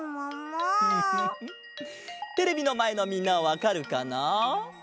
テレビのまえのみんなはわかるかな？